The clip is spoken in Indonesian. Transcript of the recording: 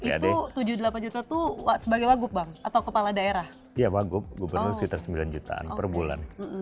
pad tujuh puluh delapan juta tuh sebagi lagu atau kepala daerah iya bagus gubernur sekitar sembilan jutaan perbulan